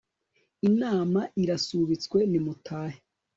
inama irasubitswe ni mutahe